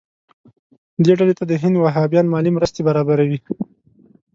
دې ډلې ته د هند وهابیان مالي مرستې برابروي.